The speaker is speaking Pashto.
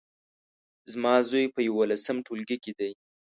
زما زوی په يولسم ټولګي کې دی